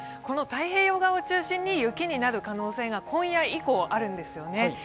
この太平洋側を中心に雪になる可能性が今夜以降、あるんですよね。